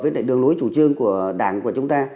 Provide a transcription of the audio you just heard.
với đường lối chủ trương của đảng của chúng ta